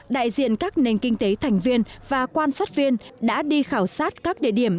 đại diện các nền kinh tế thành viên và quan sát viên đã đi khảo sát các địa điểm